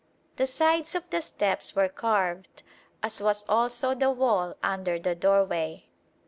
The sides of the steps were carved, as was also the wall under the doorway.